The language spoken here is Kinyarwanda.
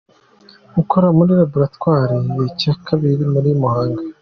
ukora muri Laboratwari ya Cyakabiri muri Muhanga.